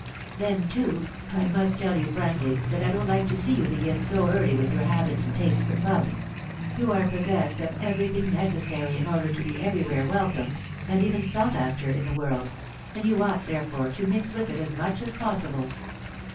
"Then, too, I must tell you frankly that I don't like to see you begin so early with your habits and tastes for clubs. You are possessed of everything necessary in order to be everywhere welcomed, and even sought after, in the world, and you ought, therefore, to mix with it as much as possible."